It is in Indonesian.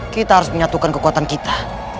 kita harus menyatukan kekuatan kita